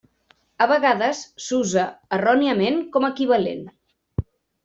A vegades s'usa erròniament com a equivalent.